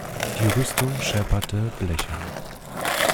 Die Rüstung schepperte blechern.